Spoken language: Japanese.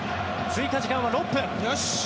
追加時間は６分。